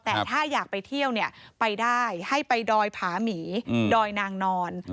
แต่ถ้าอยากไปเที่ยวเนี่ยไปได้ให้ไปดอยผาหมีดอยนางนอน